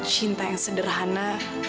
cinta yang sederhana